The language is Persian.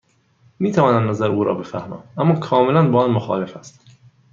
می توانم نظر او را بفهمم، اما کاملا با آن مخالف هستم.